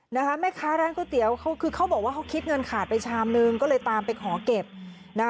แม่ค้าร้านก๋วยเตี๋ยวเขาคือเขาบอกว่าเขาคิดเงินขาดไปชามนึงก็เลยตามไปขอเก็บนะคะ